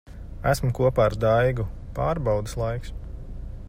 Esmu kopā ar Daigu. Pārbaudes laiks.